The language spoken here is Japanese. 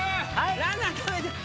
ランナーためる！